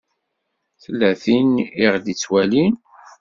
Tella tin i ɣ-d-ittwalin.